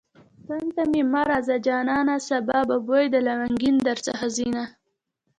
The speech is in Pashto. څنگ ته مې مه راځه جانانه سبا به بوی د لونگين درڅخه ځينه